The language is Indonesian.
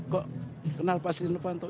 kok kenal pak siti novanto